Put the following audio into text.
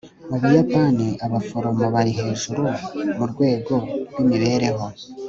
mu buyapani, abaforomo bari hejuru murwego rwimibereho